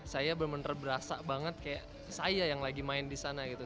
saya bener bener berasa banget kayak saya yang lagi main di sana gitu